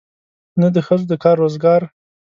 نه د ښځو د کار روزګار.